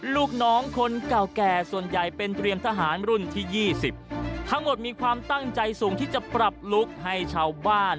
ลูกน้องคนเก่าแก่ส่วนใหญ่เป็นเตรียมทหารรุ่นที่ยี่สิบทั้งหมดมีความตั้งใจสูงที่จะปรับลุคให้ชาวบ้าน